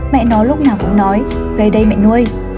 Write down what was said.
mẹ nó lúc nào cũng nói về đây mẹ nuôi